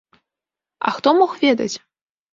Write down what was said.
А хто мог ведаць?